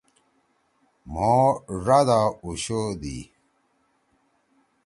مھو ڙادا اُشودی۔